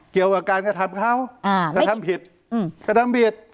เกี่ยวกับการกระทำเข้ากระทำผิด